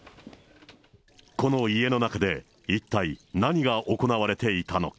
この家の中で、一体何が行われていたのか。